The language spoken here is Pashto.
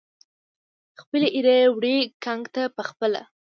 خپلې ایرې وړي ګنګ ته پخپله